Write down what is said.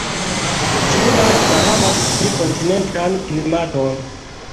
Tiu lasta havas pli kontinentan klimaton.